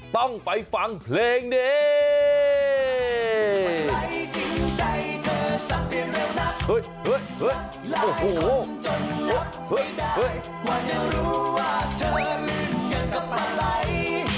ต้องไปฟังเพลงนี้